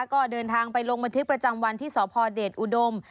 ก็เดินทางไปลงบันทึกประจำวันที่สพเดชอุดม